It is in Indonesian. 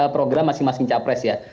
program masing masing capres ya